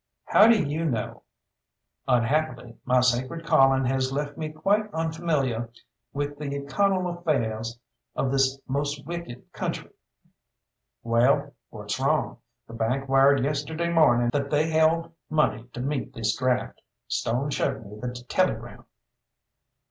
"How do you know?" "Unhappily, my sacred calling has left me quite unfamiliah with the carnal affairs of this most wicked country." "Well, what's wrong? The bank wired yesterday morning that they held money to meet this draft. Stone showed me the telegram."